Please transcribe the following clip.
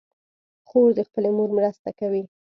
خور د خپلې مور مرسته کوي.